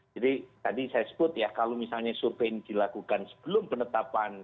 jadi tadi saya sebut ya kalau misalnya survei ini dilakukan sebelum penetapan fs